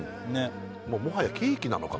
もはやケーキなのか？